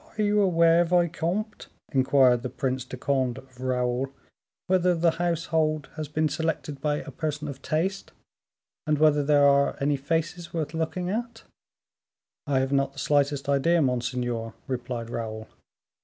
"Are you aware, vicomte," inquired the Prince de Conde of Raoul, "whether the household has been selected by a person of taste, and whether there are any faces worth looking at?" "I have not the slightest idea, monseigneur," replied Raoul.